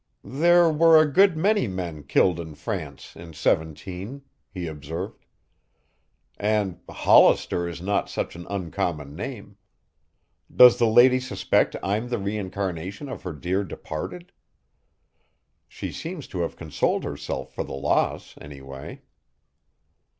"There were a good many men killed in France in '17," he observed. "And Hollister is not such an uncommon name. Does the lady suspect I'm the reincarnation of her dear departed? She seems to have consoled herself for the loss, anyway."